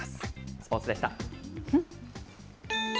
スポーツでした。